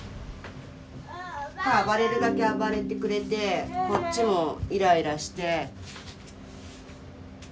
ただ暴れるだけ暴れてくれてこっちもイライラして。